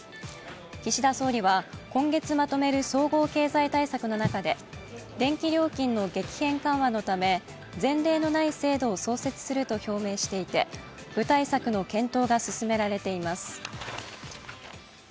岸田総理は今月まとめる総合経済対策の中で電気料金の激変緩和のため前例のない制度を創設すると表明していて具体策の検討が進められています。